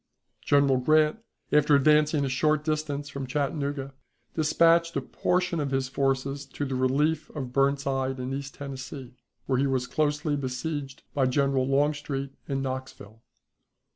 General Grant, after advancing a short distance from Chattanooga, dispatched a portion of his forces to the relief of Burnside in East Tennessee, where he was closely besieged by General Longstreet in Knoxville.